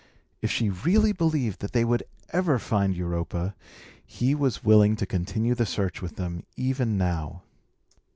If she really believed that they would ever find Europa, he was willing to continue the search with them, even now.